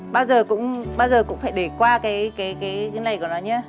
bao giờ cũng bao giờ cũng phải để qua cái cái cái này của nó nhá